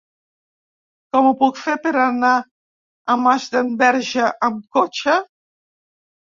Com ho puc fer per anar a Masdenverge amb cotxe?